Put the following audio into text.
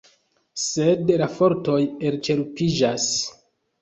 Sed la fortoj elĉerpiĝas.